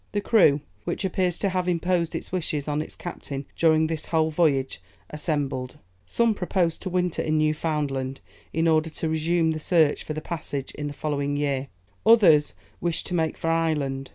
The crew, which appears to have imposed its wishes on its captain during this whole voyage, assembled; some proposed to winter in Newfoundland, in order to resume the search for the passage in the following year; others wished to make for Ireland.